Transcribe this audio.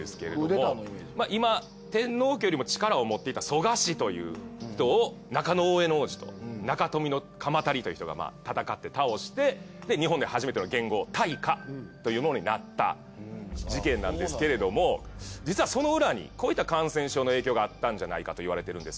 今天皇家よりも力を持っていた蘇我氏という人を中大兄皇子と中臣鎌足という人が戦って倒して日本で初めての元号大化というものになった事件なんですけれども実はその裏にこういった感染症の影響があったんじゃないかといわれているんです